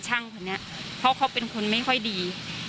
ช่างคนนี้เพราะเขาเป็นคนไม่ค่อยดี